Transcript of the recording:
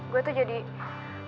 saya itu jadi merasa